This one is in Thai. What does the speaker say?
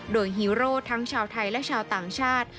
โดยฮีโร่ทั้งชาวไทยและชาวต่างชาติ